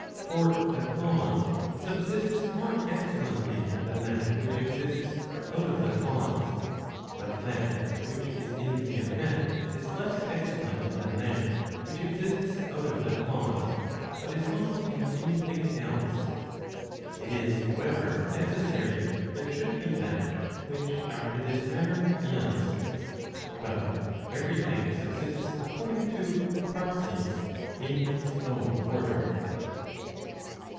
For the cause subsists more excellently than that which exists [out of the cause]. But that which is in the effect is less excellent than that which exists out of the cause Cbut is not in any thing else]. It is, however, necessary there should be that which after this manner is. But every thing subsists according to hyparxis in its own order.